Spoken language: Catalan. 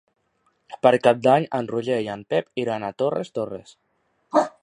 Per Cap d'Any en Roger i en Pep iran a Torres Torres.